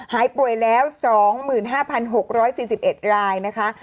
หายป่วยแล้ว๒๕๖๔๑รายนะคะ